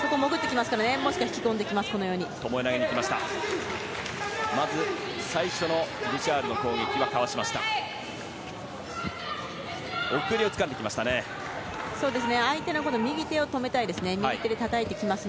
まず、最初のブシャールの攻撃はかわしました。